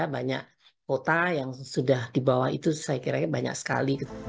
banyak kota yang sudah di bawah itu saya kira banyak sekali